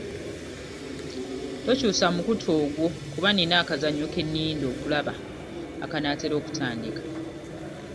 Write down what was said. Tokyusa mukutu ogwo kuba nina akazannyo ke ninda okulaba akanaatera okutandika.